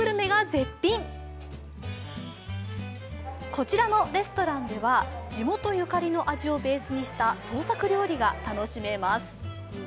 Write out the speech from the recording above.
こちらのレストランでは地元ゆかりの味をベースにした創作料理が楽しめます。